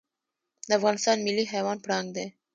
د افغانستان ملي حیوان پړانګ دی